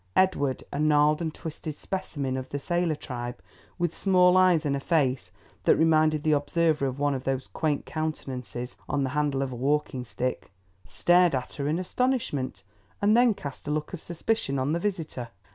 Edward, a gnarled and twisted specimen of the sailor tribe, with small eyes and a face that reminded the observer of one of those quaint countenances on the handle of a walking stick, stared at her in astonishment, and then cast a look of suspicion on the visitor.